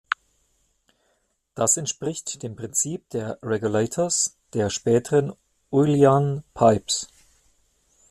Das entspricht dem Prinzip der "regulators" der späteren Uilleann Pipes.